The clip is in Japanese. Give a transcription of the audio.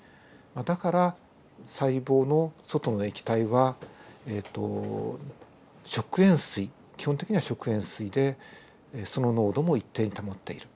だから細胞の外の液体は食塩水基本的には食塩水でその濃度も一定に保っている。